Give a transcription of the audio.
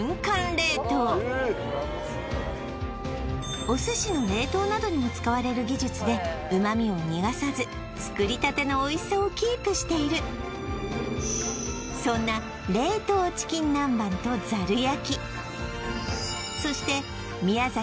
冷凍お寿司の冷凍などにも使われる技術で旨味を逃がさず作りたてのおいしさをキープしているそんなそして宮崎